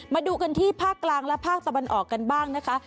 มาดูกันที่ภาคกลางและภาคตะวันออกกันบ้างนะคะ